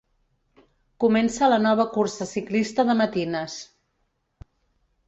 Comença la nova cursa ciclista de matines.